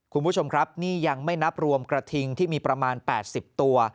คุณผู้ชมครับนี่ยังไม่นับรวมกระทิงที่มีประมาณ๘๐ตัว